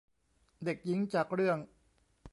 เด็กหญิงจากเรื่อง